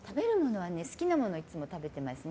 好きなものいつも食べてますね。